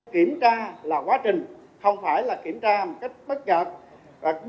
kiểm tra là quá trình không phải là kiểm tra một cách bất chợt